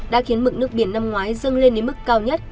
đã khiến mực nước biển năm ngoái dâng lên đến mức cao nhất